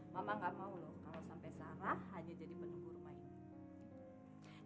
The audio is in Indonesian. mama gak mau loh kalau sampai sarah hanya jadi menunggu rumah ini